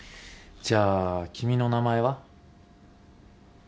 じゃあ君の名前は？